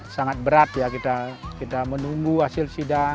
sangat berat ya kita menunggu hasil sidang